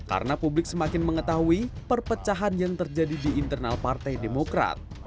karena publik semakin mengetahui perpecahan yang terjadi di internal partai demokrat